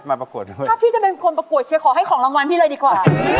ประกวดเฮ้ยถ้าพี่จะเป็นคนประกวดเชียร์ขอให้ของรางวัลพี่เลยดีกว่า